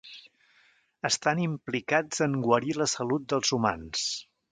Estan implicats en guarir la salut dels humans.